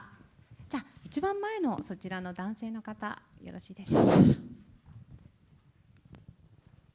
一番前のそちらの男性の方、よろしいでしょうか。